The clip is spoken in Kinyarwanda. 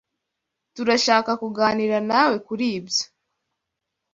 Turashaka kuganira nawe kuri ibyo.